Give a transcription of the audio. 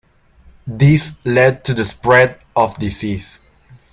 This led to the spread of disease.